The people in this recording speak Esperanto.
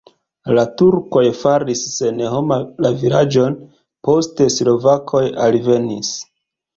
La turkoj faris senhoma la vilaĝon, poste slovakoj alvenis.